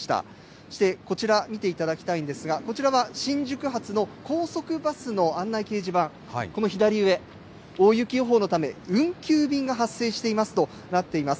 そしてこちら見ていただきたいんですが、こちらは新宿発の高速バスの案内掲示板、この左上、大雪予報のため運休便が発生していますとなっています。